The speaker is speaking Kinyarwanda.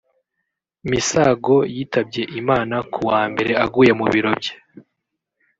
Misago yitabye Imana ku wa mbere aguye mu biro bye